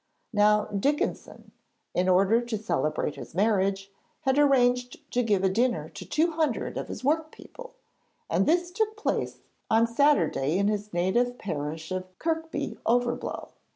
Now Dickinson, in order to celebrate his marriage, had arranged to give a dinner to two hundred of his workpeople, and this took place on a Saturday in his native parish of Kirkby Overblow.